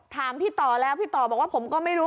ถามพี่ต่อแล้วพี่ต่อบอกว่าผมก็ไม่รู้